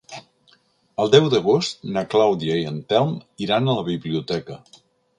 El deu d'agost na Clàudia i en Telm iran a la biblioteca.